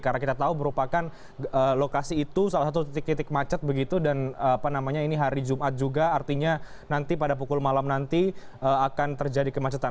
karena kita tahu merupakan lokasi itu salah satu titik titik macet begitu dan apa namanya ini hari jumat juga artinya nanti pada pukul malam nanti akan terjadi kemacetan